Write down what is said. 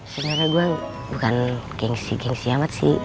sebenarnya gue bukan gengsi gengsi amat sih